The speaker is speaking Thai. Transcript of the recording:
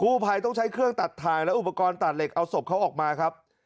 ผู้ภัยต้องใช้เครื่องตัดทางและอุปกรณ์ตัดเหล็กเอาศพเขาออกมาครับ